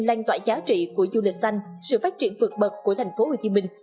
lanh tỏa giá trị của du lịch xanh sự phát triển vượt bậc của tp hcm